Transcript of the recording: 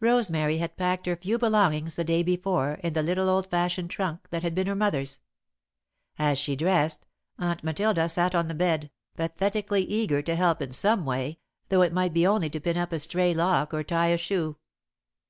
Rosemary had packed her few belongings the day before, in the little old fashioned trunk that had been her mother's. As she dressed, Aunt Matilda sat on the bed, pathetically eager to help in some way, though it might be only to pin up a stray lock or tie a shoe.